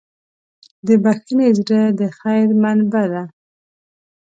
د بښنې زړه د خیر منبع ده.